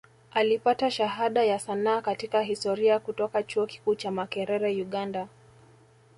Alipata Shahada ya Sanaa katika Historia kutoka Chuo Kikuu cha Makerere Uganda